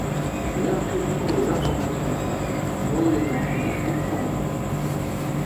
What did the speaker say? L'inscription aux informations est gratuite, moyennant une inscription en ligne.